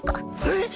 えっ！？